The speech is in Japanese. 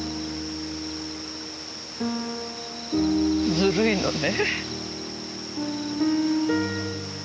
ずるいのね。